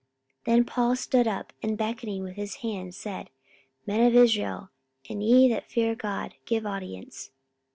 44:013:016 Then Paul stood up, and beckoning with his hand said, Men of Israel, and ye that fear God, give audience.